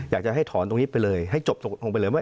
อยากจะให้ถอนตรงนี้ไปเลยให้จบตรงนี้ไปเลย